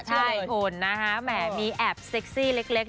ใช่โผล่นะคะแหมมีแอปเซ็กซี่เล็ก